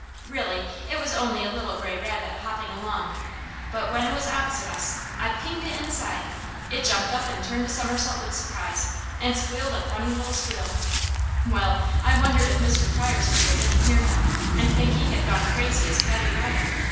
Really it was only a little gray rabbit hopping along, but when it was opposite us, I pinged it in the side, it jumped up and turned a somersault with surprise, and squealed a funny little squeal, well, I wondered if Mr. Pryor's people didn't hear him, and think he had gone crazy as Paddy Ryan.